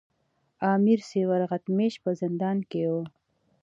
امیر سیورغتمیش په زندان کې وو.